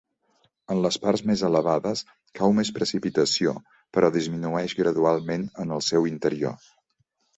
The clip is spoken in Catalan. En les parts més elevades cau més precipitació, però disminueix gradualment en el seu interior.